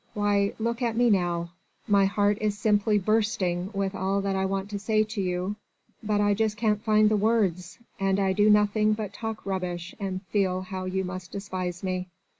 "Why! look at me now. My heart is simply bursting with all that I want to say to you, but I just can't find the words, and I do nothing but talk rubbish and feel how you must despise me."